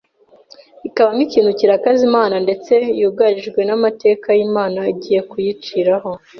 ikaba n'ikintu kirakaza Imana, ndetse yugarijwe n'amateka y'Imana igiye kuyiciraho